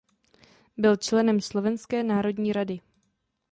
Byl členem Slovenské národní rady.